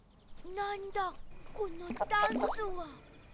なんだこのダンスは！